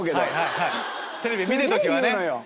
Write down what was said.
はいはいテレビ見てる時はね。